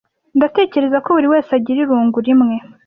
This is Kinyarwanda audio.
Ndatekereza ko buriwese agira irungu rimwe